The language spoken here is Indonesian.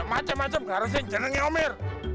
macem macem harusnya jangan omir